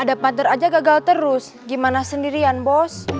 ada pather aja gagal terus gimana sendirian bos